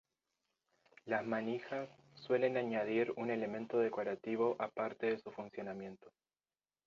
Las manijas suelen añadir un elemento decorativo a parte de su funcionamiento.